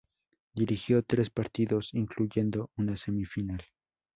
Dirigió tres partidos, incluyendo una semifinal.